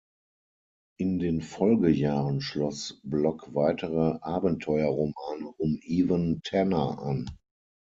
In den Folgejahren schloss Block weitere Abenteuerromane um Evan Tanner an.